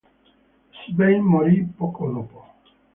Svein morì poco dopo.